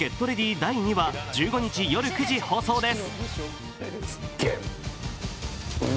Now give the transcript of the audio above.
第２話１５日夜９時放送です。